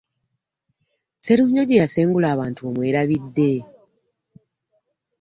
Sserunjoji eyasengula abantu omwerabidde?